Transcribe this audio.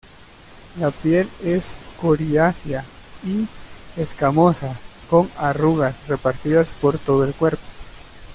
La piel es coriácea y escamosa, con arrugas repartidas por todo el cuerpo.